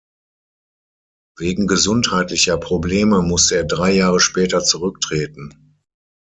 Wegen gesundheitlicher Probleme musste er drei Jahre später zurücktreten.